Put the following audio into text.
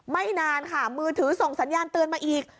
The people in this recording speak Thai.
ไม่นานค่ะมือถือส่งสัญญาณเตือนมาอีก